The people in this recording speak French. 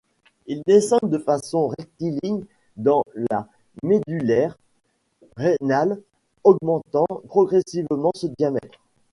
Ils descendent de façon rectiligne dans la médullaire rénale, augmentant progressivement de diamètre.